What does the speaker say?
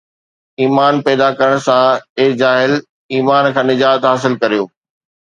ايمان پيدا ڪرڻ سان، اي جاهل، ايمان کان نجات حاصل ڪريو